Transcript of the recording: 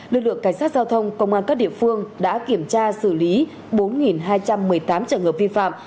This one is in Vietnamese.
lực lượng cảnh sát giao thông công an các địa phương đã kiểm tra xử lý bốn hai trăm một mươi tám trường hợp vi phạm